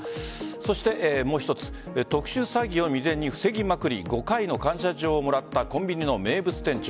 そして、もう一つ特殊詐欺を未然に防ぎまくり５回の感謝状をもらったコンビニの名物店長。